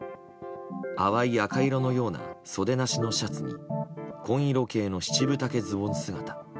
淡い赤色のような袖なしのシャツに紺色系の七分丈ズボン姿。